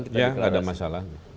kita dikelarasi ya gak ada masalah